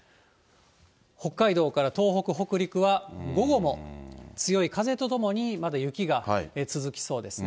北海道から東北、北陸は、午後も強い風とともにまだ雪が続きそうですね。